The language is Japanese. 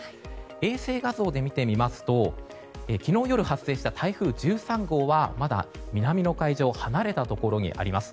衛星画像で見てみますと昨日夜発生した台風１３号はまだ南の海上を離れたところにあります。